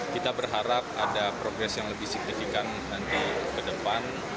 kita berharap ada progres yang lebih signifikan nanti ke depan